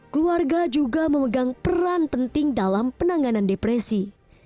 keluarga juga memegang peran penting dalam penanganan depresi